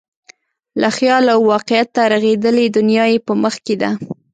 له خیال او واقعیته رغېدلې دنیا یې په مخ کې ده.